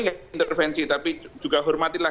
mengintervensi tapi juga hormatilah